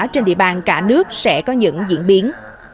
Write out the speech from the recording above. trên địa bàn cả nước sẽ có những diễn biến